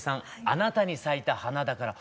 「あなたに咲いた花だから」